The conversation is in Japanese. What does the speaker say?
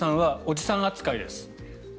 おじさん扱いですよ